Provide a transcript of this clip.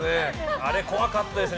あれ怖かったですね